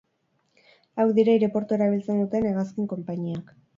Hauek dira aireportua erabiltzen duten hegazkin konpainiak.